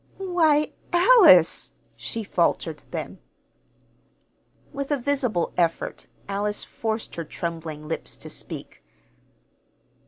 "Why, Alice!" she faltered then. With a visible effort Alice forced her trembling lips to speak.